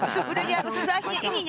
sebenarnya harus usahnya ini nyarinya